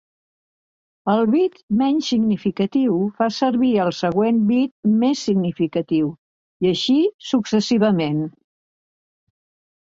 El bit menys significatiu fa servir el següent bit més significatiu, i així successivament.